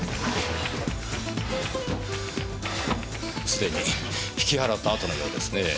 すでに引き払った後のようですねぇ。